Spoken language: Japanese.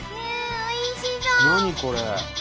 おいしそう！